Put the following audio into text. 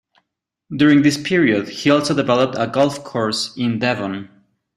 During this period, he also developed a golf course in Devon.